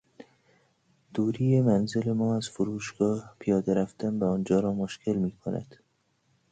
دوری منزل ما از فروشگاه پیاده رفتن به آنجا را مشکل میکند.